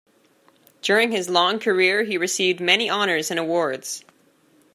During his long career, he received many honours and awards.